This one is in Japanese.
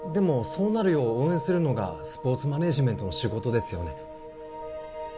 そうなるよう応援するのがスポーツマネージメントの仕事ですよね？